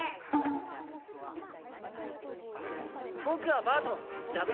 僕はバートン。